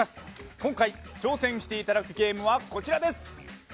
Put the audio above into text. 今回挑戦していただくゲームはこちらです。